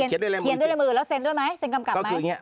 เขียนด้วยลายมือแล้วเซนด้วยไหมเซนกำกลับไหมก็คืออย่างเงี้ย